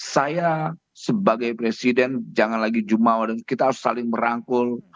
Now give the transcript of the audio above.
saya sebagai presiden jangan lagi jumawa dan kita harus saling merangkul